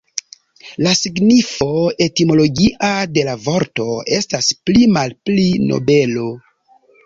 La signifo etimologia de la vorto estas pli malpli "nobelo".